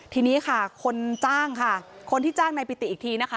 ทีนี้ค่ะคนจ้างค่ะคนที่จ้างนายปิติอีกทีนะคะ